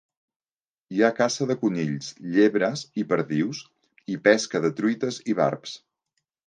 Hi ha caça de conills, llebres i perdius i pesca de truites i barbs.